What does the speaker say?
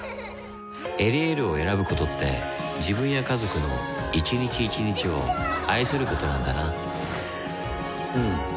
「エリエール」を選ぶことって自分や家族の一日一日を愛することなんだなうん。